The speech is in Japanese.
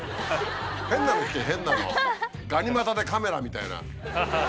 変なの引け変なの「がに股でカメラ」みたいな。